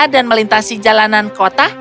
dan melintasi jalanan kota